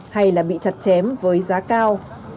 hay là bị chặt chém với giá cao